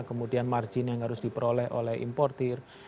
kemudian margin yang harus diperoleh oleh importir